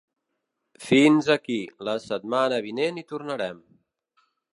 Fins aquí, la setmana vinent hi tornarem.